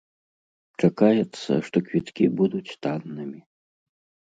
Чакаецца, што квіткі будуць таннымі.